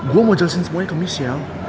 gue mau jelasin semuanya ke michelle